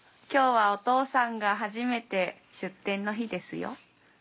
今日はお父さんが初めて出店の日ですよ。